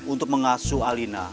untuk mengasuh alina